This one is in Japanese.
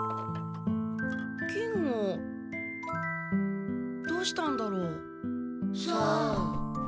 金吾どうしたんだろう？さあ。